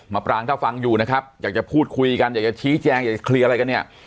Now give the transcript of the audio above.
ปรางถ้าฟังอยู่นะครับอยากจะพูดคุยกันอยากจะชี้แจงอยากจะเคลียร์อะไรกันเนี่ย